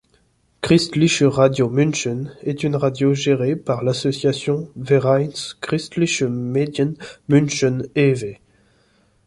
Christliche Radio München est une radio gérée par l'association Vereins Christliche Medien München e.V.